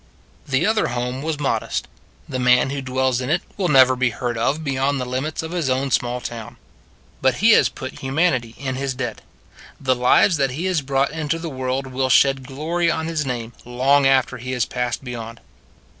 The other home was modest. The man who dwells in it will never be heard of beyond the limits of his own small town. But he has put humanity in his debt. The lives that he has brought into the world will shed glory on his name long after he has passed beyond.